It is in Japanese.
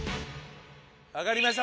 わかりました。